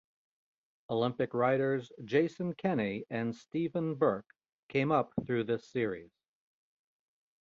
Olympic riders Jason Kenny and Steven Burke came up through this series.